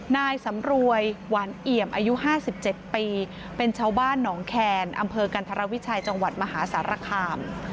นายสำรวยหวานเอี่ยมอายุ๕๗ปีเป็นชาวบ้านหนองแคนอำเภอกันธรวิชัยจังหวัดมหาสารคาม